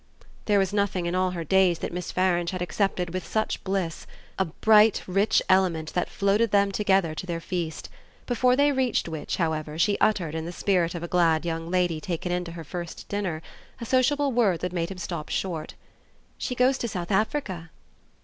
There was nothing in all her days that Miss Farange had accepted with such bliss, a bright rich element that floated them together to their feast; before they reached which, however, she uttered, in the spirit of a glad young lady taken in to her first dinner, a sociable word that made him stop short. "She goes to South Africa."